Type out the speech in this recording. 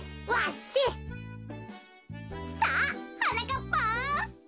さあはなかっぱん！